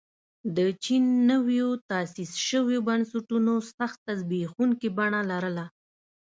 د چین نویو تاسیس شویو بنسټونو سخته زبېښونکې بڼه لرله.